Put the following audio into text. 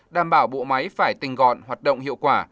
đảm bảo bộ máy phải tinh gọn hoạt động hiệu quả